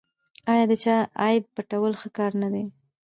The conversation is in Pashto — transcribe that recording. آیا د چا عیب پټول ښه کار نه دی؟